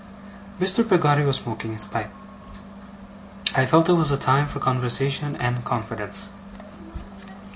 Mr. Peggotty was smoking his pipe. I felt it was a time for conversation and confidence.